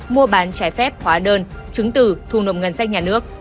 mua bán trái phép hóa đơn chứng từ thu nộp ngân sách nhà nước